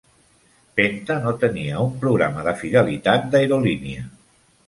Penta no tenia un programa de fidelitat d'aerolínia.